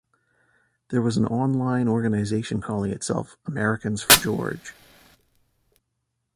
There was an online organization calling itself Americans for George.